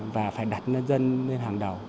và phải đặt dân lên hàng đầu